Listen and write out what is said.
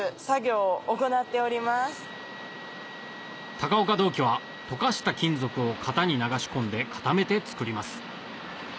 高岡銅器は溶かした金属を型に流し込んで固めて作ります